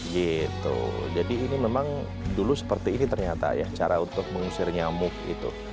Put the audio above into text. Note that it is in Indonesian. gitu jadi ini memang dulu seperti ini ternyata ya cara untuk mengusir nyamuk itu